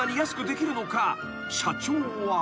［社長は］